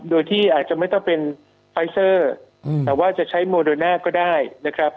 โดยที่อาจจะไม่ต้องเป็นไฟเซอร์แต่ว่าจะใช้โมโดน่าก็ได้นะครับ